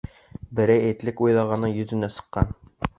Берәй этлек уйлағаны йөҙөнә сыҡҡан.